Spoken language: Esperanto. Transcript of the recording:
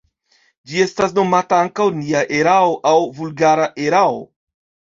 Ĝi estas nomata ankaŭ “nia erao” aŭ "vulgara erao”.